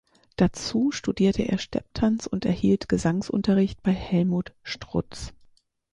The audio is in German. Dazu studierte er Stepptanz und erhielt Gesangsunterricht bei Helmut Strutz.